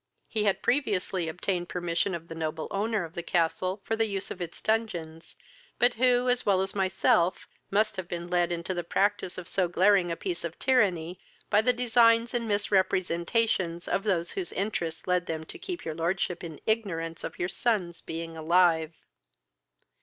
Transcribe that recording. He had previously obtained permission of the noble owner of the castle for the use of its dungeons, but who, as well as myself, must have been led into the practice of so glaring a piece of tyranny by the designs and misrepresentations of those whose interest led them to keep your lordship in ignorance of your son's being alive.